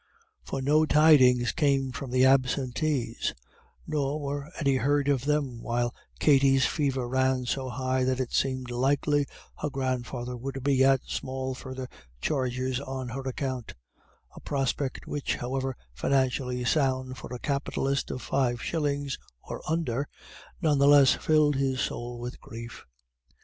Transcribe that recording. For no tidings came from the absentees, nor were any heard of them, while Katty's fever ran so high that it seemed likely her grandfather would be at small further charges on her account a prospect which, however financially sound for a capitalist of five shillings or under, none the less filled his soul with grief.